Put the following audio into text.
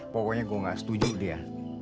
pokoknya gue gak setuju dia